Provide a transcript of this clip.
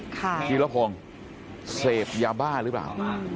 กี้ระพงเซฟยาบ้าหรือเปล่า